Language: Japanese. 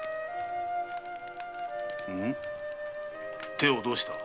手をどうした？